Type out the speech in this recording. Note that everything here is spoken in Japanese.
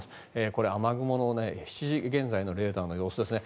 これ、雨雲の７時現在のレーダーの様子ですね。